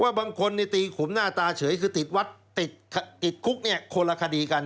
บางคนตีขุมหน้าตาเฉยคือติดวัดติดคุกเนี่ยคนละคดีกัน